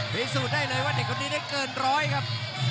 พิสูจน์ได้เลยว่าเด็กคนนี้ได้เกินร้อยครับ